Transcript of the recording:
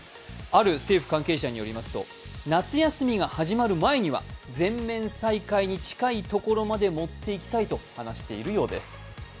ある政府関係者によりますと夏休みが始まる前には全面再開に近いところまでもっていきたいと話しているようです。